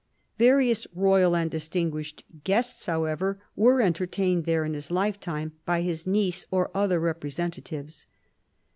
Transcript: Various royal and distinguished guests, however, were entertained there in his lifetime by his niece or other representatives.